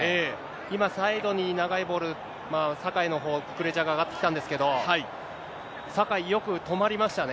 今、サイドに長いボール、酒井のほう、ククレジャが上がってきたんですけど、酒井、よく止まりましたね。